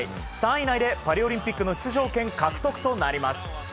３位以内でパリオリンピックの出場権獲得となります。